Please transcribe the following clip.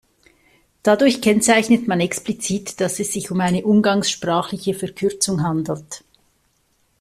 Dadurch kennzeichnet man explizit, dass es sich um eine umgangssprachliche Verkürzung handelt.